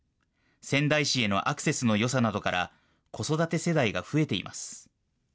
仙台市へのアクセスのよさなどから、子育て世代が増えています。